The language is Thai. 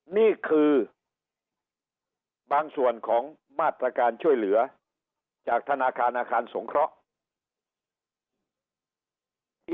นี่คือบางส่วนของมาตรการช่วยเหลือจากธนาคารอาคารสงเคราะห์